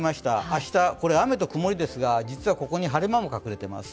明日、雨と曇りですが実はここに晴れ間も隠れています。